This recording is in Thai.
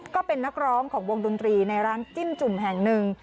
ก็เป็นนักร้องของวงดนตรีในร้านจิ้มจุ่มแห่งหนึ่ง